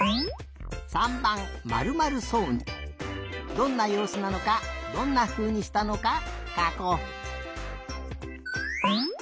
「どんなようすなのかどんなふうに」したのかかこう。